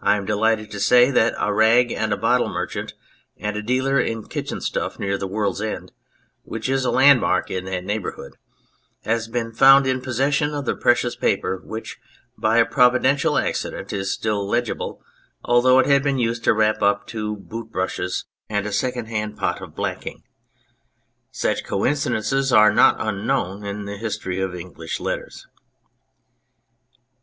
I am delighted to say that a Rag and Bottle Merchant and Dealer in Kitchen Stuff near The World's End (which is a landmark in that neighbourhood) has been found in possession of the precious paper, which by a provi dential accident is still legible, although it had been used to wrap up two boot brushes and a second hand 183 On Anything pot of blacking. Such coincidences are not unknown in the history of English Letters.